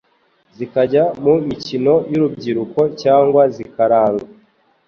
zikajya mu mikino y'urubyiruko cyangwa zikaranga